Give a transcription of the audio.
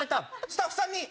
スタッフさんに。